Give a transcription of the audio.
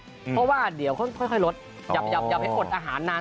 เพราะว่าเดี๋ยวค่อยลดอย่าไปอดอาหารนาน